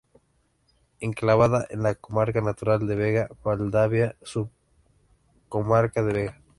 Enclavada en la comarca natural de Vega-Valdavia, subcomarca de Vega.